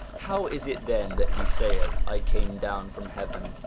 How is it then that he saith, I came down from heaven